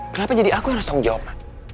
kenapa jadi aku yang harus tanggung jawaban